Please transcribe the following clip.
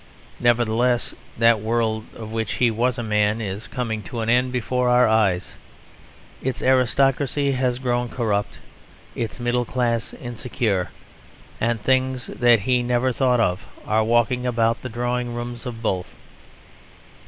Nevertheless, that world of which he was a man is coming to an end before our eyes; its aristocracy has grown corrupt, its middle class insecure, and things that he never thought of are walking about the drawing rooms of both.